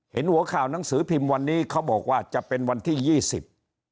หัวข่าวหนังสือพิมพ์วันนี้เขาบอกว่าจะเป็นวันที่ยี่สิบ